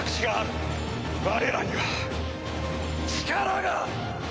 我らには力がある！